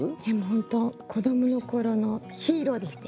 本当子どもの頃のヒーローでしたよね。